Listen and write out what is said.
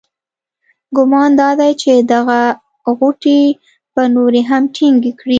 ګمان دادی چې دغه غوټې به نورې هم ټینګې کړي.